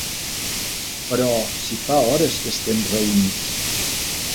Però si fa hores que estem reunits.